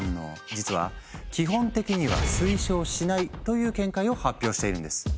実は基本的には推奨しないという見解を発表しているんです。